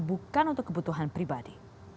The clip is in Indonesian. bukan untuk kebutuhan pribadi